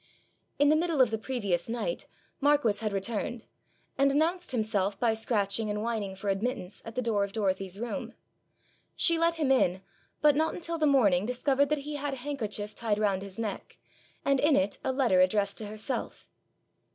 In the middle of the previous night, Marquis had returned, and announced himself by scratching and whining for admittance at the door of Dorothy's room. She let him in, but not until the morning discovered that he had a handkerchief tied round his neck, and in it a letter addressed to herself.